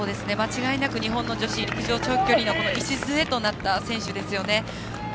間違いなく日本の女子陸上長距離の礎となった選手ですよね。